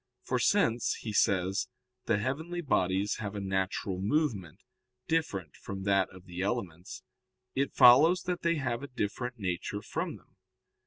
For since, he says, the heavenly bodies have a natural movement, different from that of the elements, it follows that they have a different nature from them.